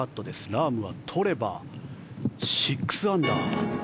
ラームは取れば６アンダー。